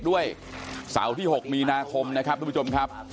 ด้วยเสาร์ที่๖มีนาคมนะครับทุกผู้ชมครับ